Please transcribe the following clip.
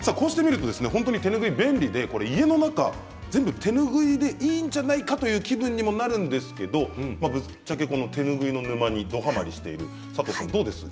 手ぬぐいが便利でいいのか家の中全部、手ぬぐいでいいんじゃないかという気分になりますけれども、ぶっちゃけ手ぬぐいの沼にどはまりしている佐藤さんどうですか？